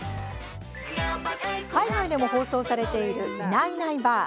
海外でも放送されている「いないいないばあっ！」。